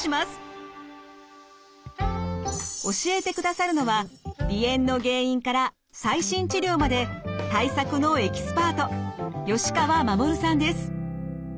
教えてくださるのは鼻炎の原因から最新治療まで対策のエキスパート吉川衛さんです。